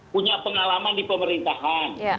punya pengalaman di pemerintahan